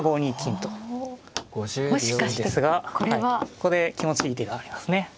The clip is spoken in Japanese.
ここで気持ちいい手がありますね。